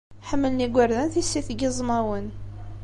Ḥemmlen igerdan tissit n yiẓmawen.